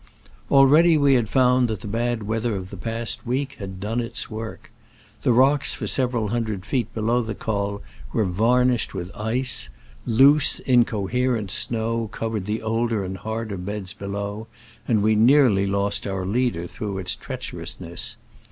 Already we had found that the bad weather of the past week had done its work. The rocks for several hundred feet below the col were varnished with ice. Loose, incoherent snow covered the older and harder beds below, and we nearly lost our leader through its treacherousness.